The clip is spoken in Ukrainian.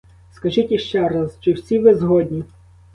Скажіть іще раз, чи всі ви згодні?